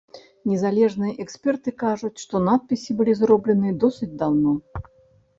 Незалежныя эксперты кажуць, што надпісы былі зробленыя досыць даўно.